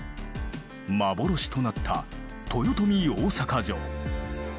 幻となった豊臣大坂城。